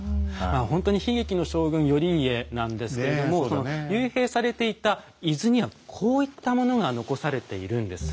ほんとに悲劇の将軍頼家なんですけれども幽閉されていた伊豆にはこういったものが残されているんです。